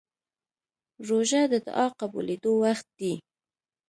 روژه د دعا قبولېدو وخت دی.